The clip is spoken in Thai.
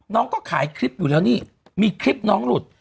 น้องก็ขายคลิปอยู่แล้วนี่มีคลิปน้องหลุด